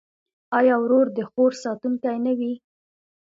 آیا ورور د خور ساتونکی نه وي؟